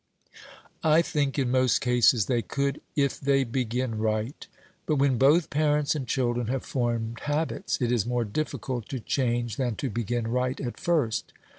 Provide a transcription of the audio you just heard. "I think in most cases they could, if they begin right. But when both parents and children have formed habits, it is more difficult to change than to begin right at first.